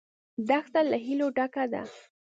دښته له هیلو ډکه ده.